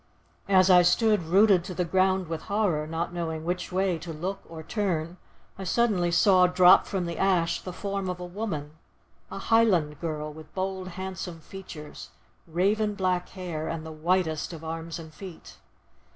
As I stood rooted to the ground with horror, not knowing which way to look or turn, I suddenly saw drop from the ash, the form of a woman, a Highland girl, with bold, handsome features, raven black hair, and the whitest of arms and feet.